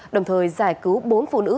đồng thời giải cứu bốn phụ nữ